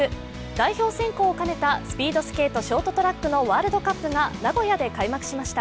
代表選考を兼ねたスピードスケートショートトラックのワールドカップが名古屋で開幕しました。